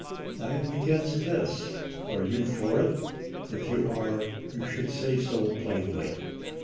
I am against ch. xm. this. Are you for it ? If you are, you should say so plainly.